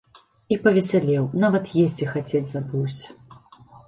І павесялеў, нават есці хацець забыўся.